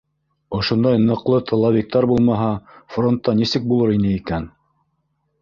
Ошондай ныҡлы тыловиктар булмаһа, фронтта нисек булыр ине икән?